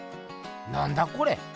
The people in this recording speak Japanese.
なんだこれ？